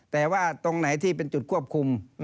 แต่ว่าตรงไหนที่เป็นจุดควบคุม